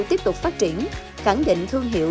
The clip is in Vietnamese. tiếp tục phát triển khẳng định thương hiệu